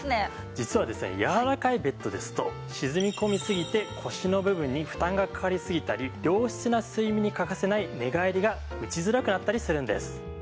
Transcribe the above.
実はですねやわらかいベッドですと沈み込みすぎて腰の部分に負担がかかりすぎたり良質な睡眠に欠かせない寝返りが打ちづらくなったりするんです。